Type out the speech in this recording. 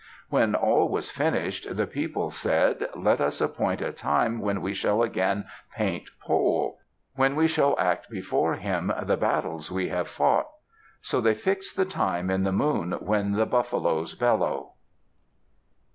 When all was finished the people said, "Let us appoint a time when we shall again paint Pole; when we shall act before him the battles we have fought." So they fixed the time in the moon when the buffaloes bellow.